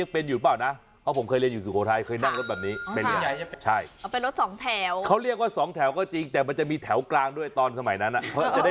เป็นรถสองแถวเขาเรียกว่าสองแถวก็จริงแต่มันจะมีแถวกลางด้วยตอนสมัยนั้น